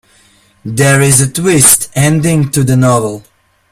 There is a twist ending to the novel.